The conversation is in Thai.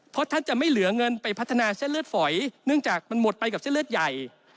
เพราะท่านจะไม่เหลือเงินไปพัฒนาเส้นเลือดฝอยเนื่องจากมันหมดไปกับเส้นเลือดใหญ่